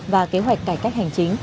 và kế hoạch cải cách hành chính